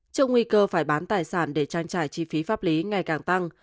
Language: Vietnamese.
trước nguy cơ phải bán tài sản để trang trải chi phí pháp lý ngày càng tăng